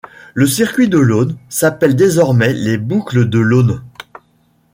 Le Circuit de l'Aulne s'appelle désormais les Boucles de l'Aulne.